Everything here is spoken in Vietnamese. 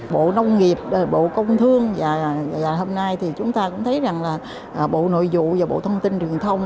bộ nông nghiệp bộ công thương và hôm nay thì chúng ta cũng thấy rằng là bộ nội vụ và bộ thông tin truyền thông